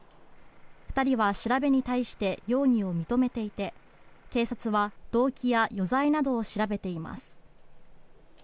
２人は調べに対して容疑を認めていて警察は動機や余罪などを調べています。